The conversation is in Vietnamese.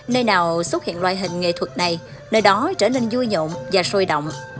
nơi nào xuất hiện loại hình nghệ thuật này nơi đó trở nên vui nhộn và sôi động